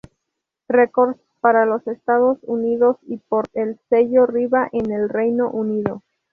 Records para los Estados Unidos y por el sello Riva en el Reino Unido.